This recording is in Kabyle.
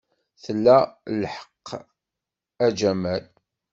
Tla lḥeqq, a Jamal.